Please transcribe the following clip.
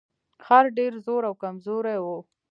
خر ډیر زوړ او کمزوری و.